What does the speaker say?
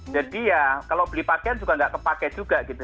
jadi ya kalau beli pakaian juga nggak kepake juga gitu